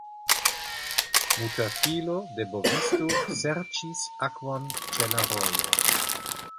Muta filo de bovisto serĉis akvon ĉe la rojo.